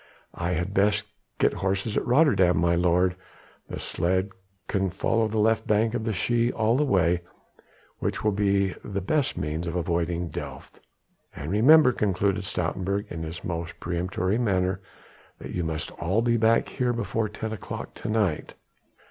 "I had best get horses at Rotterdam, my lord; the sledge can follow the left bank of the Schie all the way, which will be the best means of avoiding Delft." "And remember," concluded Stoutenburg in his most peremptory manner, "that you must all be back here before ten o'clock to night.